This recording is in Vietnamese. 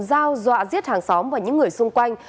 dao dọa giết hàng xóm và những người xung quanh